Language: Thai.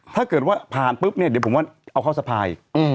ถ้าเกิดว่าผ่านปุ๊บเนี่ยเดี๋ยวผมว่าเอาเข้าสะพาย